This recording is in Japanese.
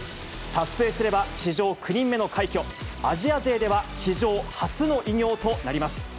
達成すれば史上９人目の快挙、アジア勢では史上初の偉業となります。